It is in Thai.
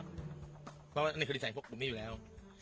เพราะว่าอันนี้คือศิษย์ชีวิตของครุ่มนี้อยู่แล้ว